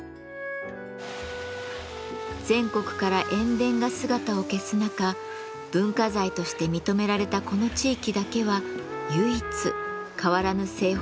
全国から塩田が姿を消す中文化財として認められたこの地域だけは唯一変わらぬ製法が守られました。